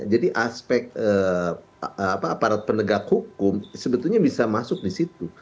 jadi aspek aparat penegak hukum sebetulnya bisa masuk di situ